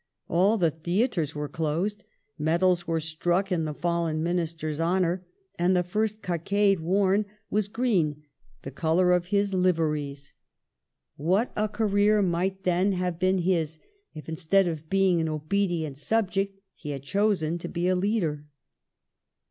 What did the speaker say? All the theatres were closed, medals were struck in the fallen Minis ter's honor, and the first cockade worn was ( V JSTECKER'S SHORT LIVED TRIUMPH. 45 green — the color of his liveries. What a career might then have been his if, instead of being an obedient subject, he had chosen to be a leader